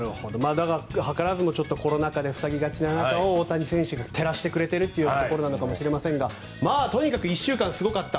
図らずもコロナ禍で塞ぎがちな中、大谷が照らしてくれてるというところかもしれませんがとにかく１週間すごかった。